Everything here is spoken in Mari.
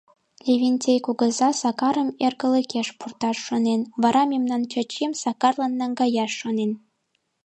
— Левентей кугыза Сакарым эргылыкеш пурташ шонен, вара мемнан Чачим Сакарлан наҥгаяш шонен...